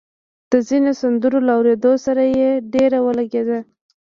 د ځينو سندرو له اورېدو سره يې ډېره ولګېده